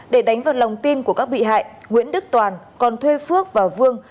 để đánh vào lòng tin của các bị hại nguyễn đức toàn còn thuê phước và vương